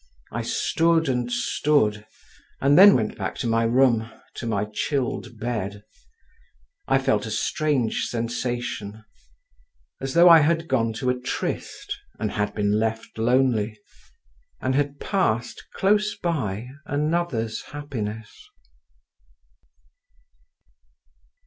I stood and stood, and then went back to my room, to my chilled bed. I felt a strange sensation; as though I had gone to a tryst, and had been left lonely, and had passed close by another's happiness.